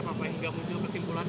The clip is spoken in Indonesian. apakah tidak muncul kesimpulan